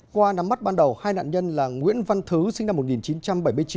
qua nắm mắt ban đầu hai nạn nhân là nguyễn văn thứ sinh năm một nghìn chín trăm bảy mươi chín